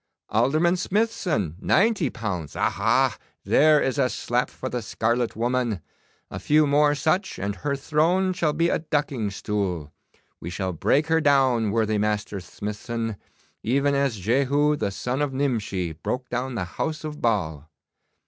Alderman Smithson, ninety pounds. Aha! There is a slap for the scarlet woman! A few more such and her throne shall be a ducking stool. We shall break her down, worthy Master Smithson, even as Jehu, the son of Nimshi, broke down the house of Baal.